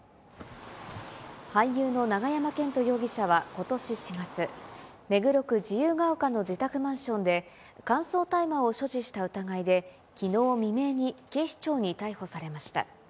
俳優の永山絢斗容疑者は、ことし４月、目黒区自由が丘の自宅マンションで、乾燥大麻を所持した疑いで、きのう未明に警視庁に逮捕されました。